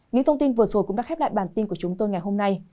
những thông tin vừa rồi cũng đã khép lại bản tin của chúng tôi ngày hôm nay